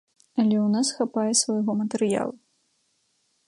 Але ў нас хапае свайго матэрыялу.